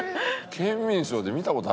『ケンミンＳＨＯＷ』で見た事あるかな？